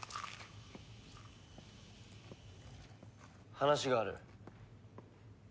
話がある。